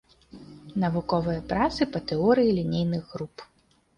Навуковыя працы па тэорыі лінейных груп.